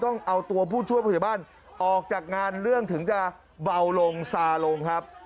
ต้องเอาตัวผู้ช่วยผู้ใหญ่บ้านออกจากงานเรื่องถึงจะเบาลงซาลงครับ